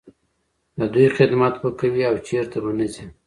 د دوی خدمت به کوې او چرته به نه ځې.